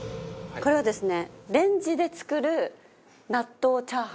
これはですね